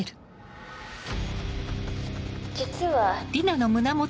実は。